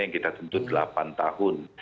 yang kita tentu delapan tahun